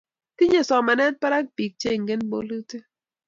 tinyei somanetab barak biik che ingen bolutik